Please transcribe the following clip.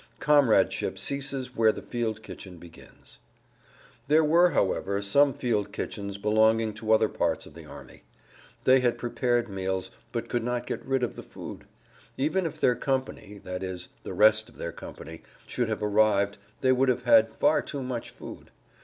Comradeship ceases where the field kitchen begins. There were, however, some field kitchens belonging to other parts of the army. They had prepared meals, but could not get rid of the food; even if their company, i.e., the rest of their company, should have arrived they would have had far too much food.